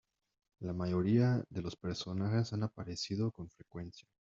La mayoría de los personajes han aparecido con frecuencia.